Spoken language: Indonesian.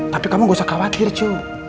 tapi kamu gak usah khawatir cu